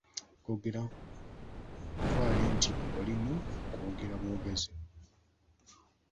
Okwogera kutwale nti oli mu kwogera bwogezi.